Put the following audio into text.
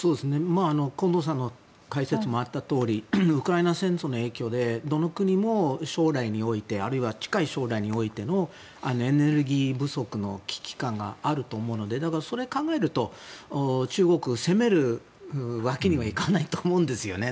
近藤さんの解説にもあったとおりウクライナ戦争の影響でどの国も将来においてあるいは近い将来においてのエネルギー不足の危機感があると思うのでだからそれを考えると中国を責めるわけにはいかないと思うんですよね。